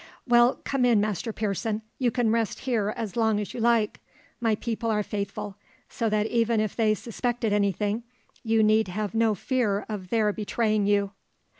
"Well, come in, Master Pearson; you can rest here as long as you like. My people are faithful, so that even if they suspected any thing, you need have no fear of their betraying you."